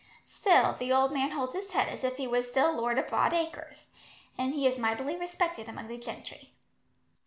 Still, the old man holds his head as if he was still lord of broad acres, and he is mightily respected among the gentry."